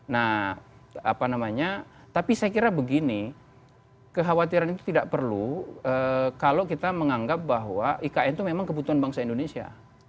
nah apa namanya tapi saya kira begini kekhawatiran itu tidak perlu kalau kita menganggap bahwa ikn itu memang kebutuhan bangsa indonesia